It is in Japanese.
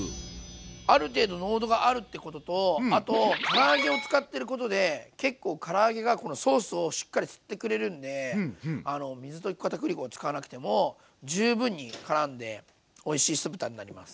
ある程度濃度があるってこととあとから揚げを使ってることで結構から揚げがこのソースをしっかり吸ってくれるんで水溶きかたくり粉を使わなくても十分にからんでおいしい酢豚になります。